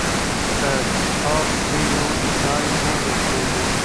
که چارت وي نو ځای نه ورکیږي.